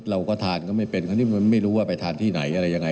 เราก็ทานก็ไม่เป็นคราวนี้มันไม่รู้ว่าไปทานที่ไหนอะไรยังไง